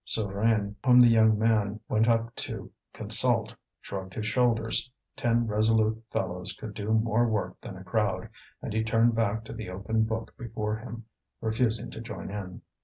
Souvarine, whom the young man went up to consult, shrugged his shoulders; ten resolute fellows could do more work than a crowd; and he turned back to the open book before him, refusing to join in.